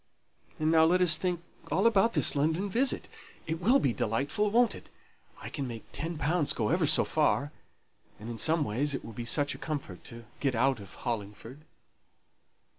And now let us think all about this London visit. It will be delightful, won't it? I can make ten pounds go ever so far; and in some ways it will be such a comfort to get out of Hollingford."